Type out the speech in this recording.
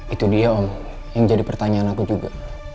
itu dia om yang jadi pertanyaan aku juga